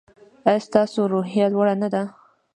ایا ستاسو روحیه لوړه نه ده؟